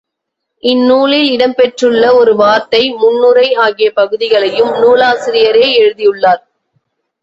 இந்நூலில் இடம்பெற்றுள்ள ஒரு வார்த்தை, முன்னுரை ஆகிய பகுதிகளையும் நூலாசிரியரே எழுதியுள்ளார்.